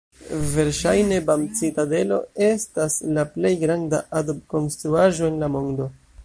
Verŝajne Bam-citadelo estas la plej granda adob-konstruaĵo en la mondo.